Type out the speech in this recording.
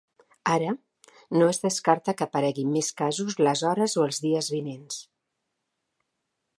Ara, no es descarta que apareguin més casos les hores o els dies vinents.